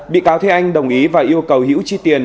bị cáo thế anh đồng ý và yêu cầu hữu chi tiền